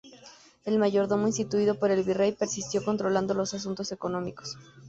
El mayordomo instituido por el virrey persistió controlando los asuntos económicos.